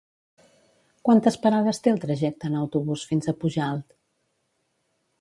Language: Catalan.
Quantes parades té el trajecte en autobús fins a Pujalt?